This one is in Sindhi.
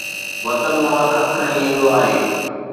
وطن مان خط کڻي ايندو آهي